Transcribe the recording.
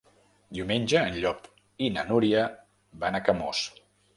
Diumenge en Llop i na Núria van a Camós.